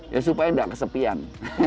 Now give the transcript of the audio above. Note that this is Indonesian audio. ya supaya gak kesepian